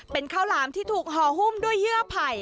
เป็นข้าวหลามที่ถูกห่อหุ้มด้วยเยื่อไผ่